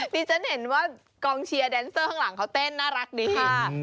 ดิฉันเห็นว่ากองเชียร์แดนเซอร์ข้างหลังเขาเต้นน่ารักดี